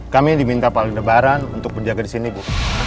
kami diminta pak aldebaran untuk penjaga di sini bu